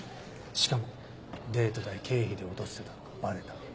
しかもデート代経費で落としてたのがバレた。